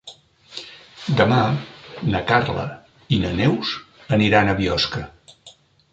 Demà na Carla i na Neus aniran a Biosca.